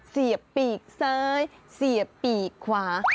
เสียบปีกซ้ายเสียบปีกขวา